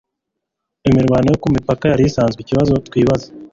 Imirwano yo ku mipaka yari isanzwe ikibazo twibaza